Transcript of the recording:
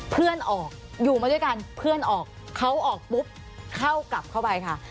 เพื่อนออกอยู่มาด้วยกันเพื่อนออกเขาออกปุ๊บเข้ากลับเข้าไปค่ะ